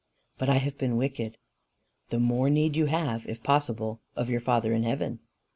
"But I have been wicked." "The more need you have, if possible, of your Father in heaven."